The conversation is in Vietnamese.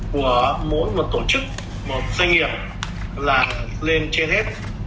của mỗi một tổ chức một doanh nghiệp là lên trên hết